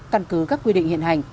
căn cứ các quy định hiện hành